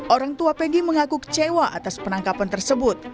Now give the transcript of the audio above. orang tua penggi mengaku kecewa atas penangkapan tersebut